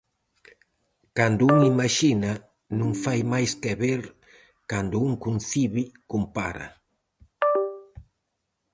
Cando un imaxina, non fai mais que ver, cando un concibe compara.